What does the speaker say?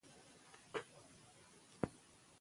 ازادي راډیو د ورزش پرمختګ سنجولی.